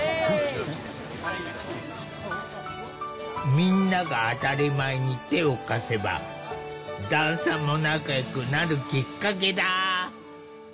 みんなが当たり前に手を貸せば段差も仲よくなるきっかけだ！